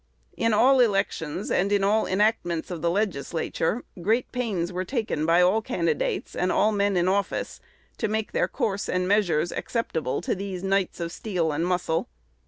"In all elections and in all enactments of the Legislature, great pains were taken by all candidates, and all men in office, to make their course and measures acceptable" to these knights of steel and muscle.